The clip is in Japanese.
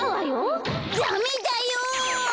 ダメだよ！